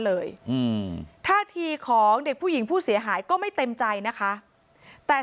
เลยอืมท่าทีของเด็กผู้หญิงผู้เสียหายก็ไม่เต็มใจนะคะแต่